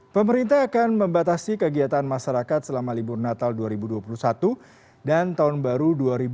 pemerintah akan membatasi kegiatan masyarakat selama libur natal dua ribu dua puluh satu dan tahun baru dua ribu dua puluh